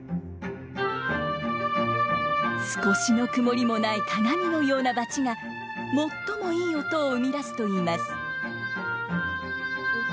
少しの曇りもない鏡のようなバチが最もいい音を生み出すといいます。